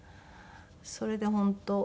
それで本当。